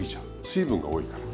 水分が多いから。